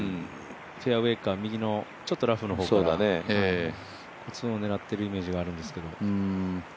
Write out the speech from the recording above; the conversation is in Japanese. フェアウエーから右のちょっとラフの方から２オンを狙っているイメージがあるんですけど。